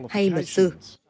hay mật sư